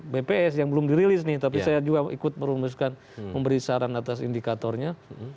bps yang belum dirilis nih tapi saya juga ikut merumuskan memberi saran atas indikatornya